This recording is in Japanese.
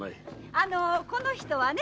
あのこの人はね